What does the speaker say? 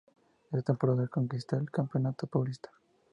Esa temporada conquista el Campeonato Paulista.